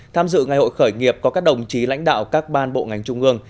tham dự ngày hội khởi nghiệp có các đồng chí lãnh đạo các ban bộ ngành trung ương